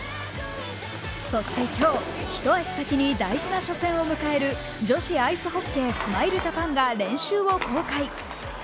そして今日、一足先に大事な初戦を迎える女子アイスホッケー、スマイルジャパンが練習を公開。